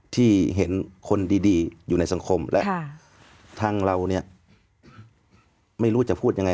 ที่เห็นคนดีอยู่ในสังคมและทางเราเนี่ยไม่รู้จะพูดยังไง